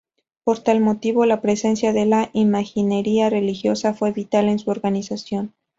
Por tal motivo, la presencia de la imaginería religiosa fue vital en su organización.